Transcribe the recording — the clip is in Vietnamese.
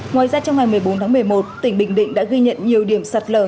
ngoài ra trong ngày một mươi bốn tháng một mươi một tỉnh bình định đã ghi nhận nhiều điểm sạt lở